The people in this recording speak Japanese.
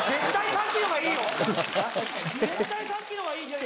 絶対さっきのがいいよ！